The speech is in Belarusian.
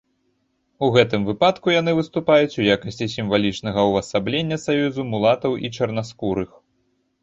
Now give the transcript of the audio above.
У гэтым выпадку яны выступаюць у якасці сімвалічнага ўвасаблення саюза мулатаў і чарнаскурых.